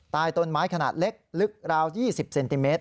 ใต้ต้นไม้ขนาดเล็กลึกราว๒๐เซนติเมตร